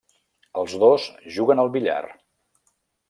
Els dos juguen al billar.